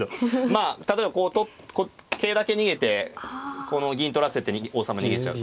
まあ例えばこう取っ桂だけ逃げてこの銀取らせて王様逃げちゃうとか。